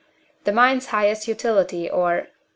the mind's highest utility or (IV.